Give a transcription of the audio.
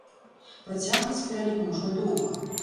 Працягваць пералік можна доўга.